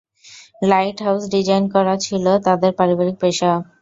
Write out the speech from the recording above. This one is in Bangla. লাইট হাউজ ডিজাইন করা ছিল তাদের পারিবারিক পেশা।